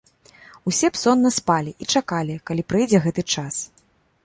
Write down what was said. Усе б сонна спалі і чакалі, калі прыйдзе гэты час.